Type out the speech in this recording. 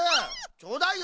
ちょうだいよ。